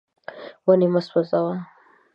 ونې مه سوځوه.